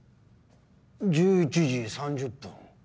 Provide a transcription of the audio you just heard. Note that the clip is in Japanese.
１１時３０分。